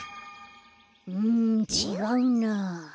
うんちがうな。